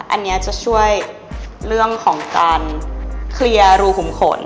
อันนี้จะช่วยเรื่องของการเคลียร์รูขุมขน